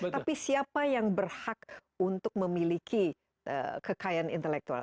tapi siapa yang berhak untuk memiliki kekayaan intelektual